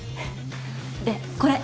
でこれ。